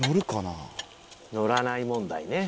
のらない問題ね。